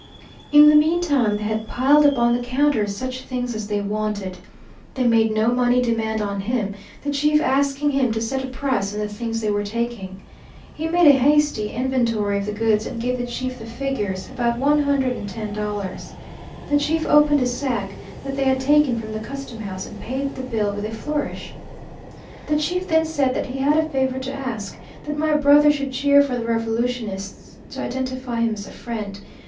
In the mean time they had piled up on the counters such things as they wanted. They made no money demand on him, the chief asking him to set a price on the things they were taking. He made a hasty inventory of the goods and gave the chief the figures, about one hundred and ten dollars. The chief opened a sack that they had taken from the custom house and paid the bill with a flourish. "The chief then said that he had a favor to ask: that my brother should cheer for the revolutionists, to identify him as a friend.